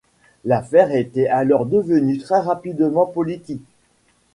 L'affaire était alors devenue très rapidement politique.